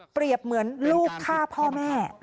เปรียบเหมือนลูกฆ่าพ่อแม่